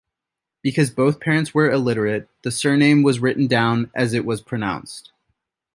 Because both parents were illiterate, the surname was written down as it was pronounced.